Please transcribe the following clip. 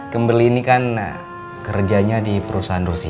kembeli ini kan kerjanya di perusahaan rusia